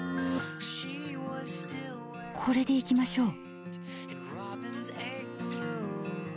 これでいきましょう。